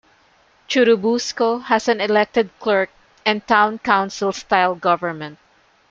Churubusco has an elected clerk and town council-style government.